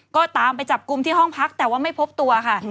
ก็ตามไปจับกลุ่มที่ห้องพักแต่ว่าไม่พบตัวค่ะ